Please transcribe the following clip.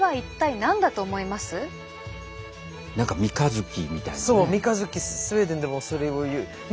何か三日月みたいなね。